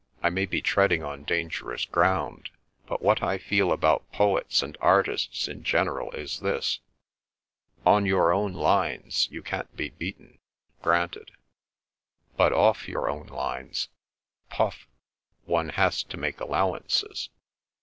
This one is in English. "I may be treading on dangerous ground; but what I feel about poets and artists in general is this: on your own lines, you can't be beaten—granted; but off your own lines—puff—one has to make allowances.